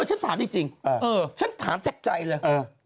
ฉันถามจริงฉันถามจากใจเลย